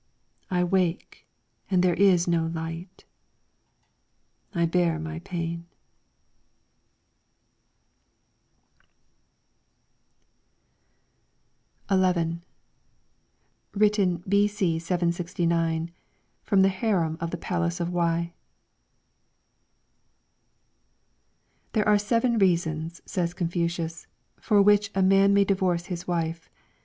I wake and there is no light, I bear my pain. 11 LYRICS FROM THE CHINESE XI Written B.C. 7G9 from the harem of the Palace of Wei. 'There are seven reasons/ said Confucius, 'for which a man may divorce his wife.